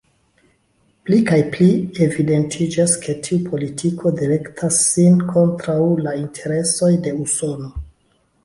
Pli kaj pli evidentiĝas, ke tiu politiko direktas sin kontraŭ la interesoj de Usono.